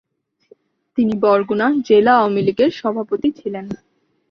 তিনি বরগুনা জেলা আওয়ামীলীগের সভাপতি ছিলেন।